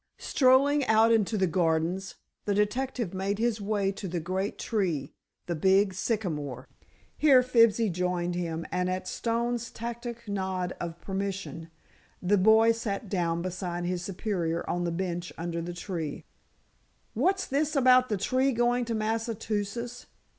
Strolling out into the gardens, the detective made his way to the great tree, the big sycamore. Here Fibsy joined him, and at Stone's tacit nod of permission, the boy sat down beside his superior on the bench under the tree. "What's this about the tree going to Massachusetts?"